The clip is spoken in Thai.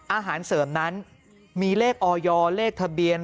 อาหารเสริมนั้นมีเลขออยเลขทะเบียน